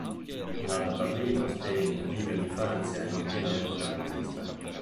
Nato a Berlino, Stein vive l'infanzia in piena epoca nazista.